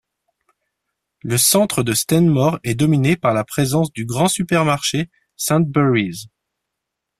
Le centre de Stanmore est dominé par la présence du grand supermarché Sainsbury's.